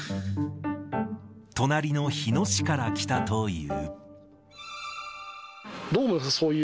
隣の日野市から来たという。